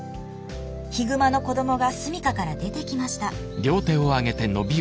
ヒグマの子どもが住みかから出てきました